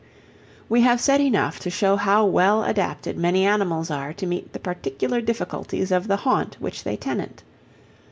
We have said enough to show how well adapted many animals are to meet the particular difficulties of the haunt which they tenant.